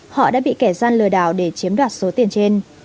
họ đã bị kẻ gian lừa đảo để chiếm đoạt số tiền trên